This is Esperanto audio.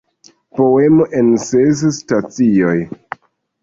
Poemo en ses stacioj".